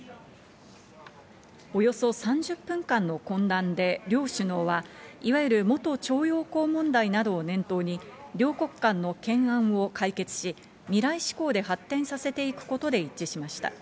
およそ３０分間の懇談で両首脳はいわゆる元徴用工問題などを念頭に両国間の懸案を解決し、未来志向で発展させていくことで一致しました。